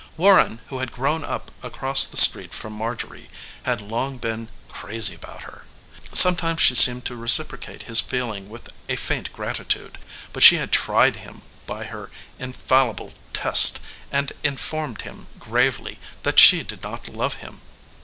Warren, who had grown up across the street from Marjorie, had long been "crazy about her." Sometimes she seemed to reciprocate his feeling with a faint gratitude, but she had tried him by her infallible test and informed him gravely that she did not love him.